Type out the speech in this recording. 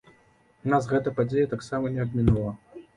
Нас гэтая падзея таксама не абмінула.